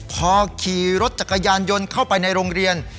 พอขี่รถจักรยานยนต์เข้าไปในโรงเรียน